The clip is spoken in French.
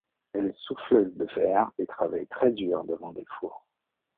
Elle est souffleuse de verre et travaille très dur devant des fours.